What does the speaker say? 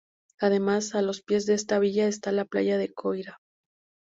Además a los pies de esta villa está la playa de Coira.